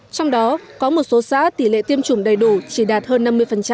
trong đó có một số xã tỷ lệ tiêm chủng đầy đủ chỉ đạt hơn năm mươi